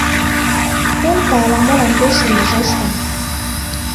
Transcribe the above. — только ала-молан пеш ӱҥышештын.